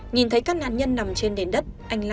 nhìn thấy các nạn nhân nằm trên nền đất